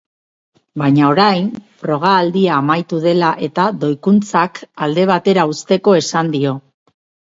Baina orain, froga-aldia amaitu dela eta doikuntzak alde batera uzteko esan dio.